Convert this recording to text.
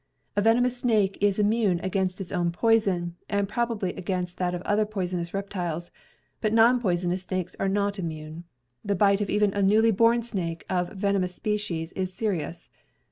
A venom ous snake is immune against its own poison, and prob ably against that of other poisonous reptiles, but non poisonous snakes are not immune. The bite of even a newly born snake of venomous species is serious.